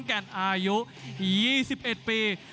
แก่นอายุ๒๑ปี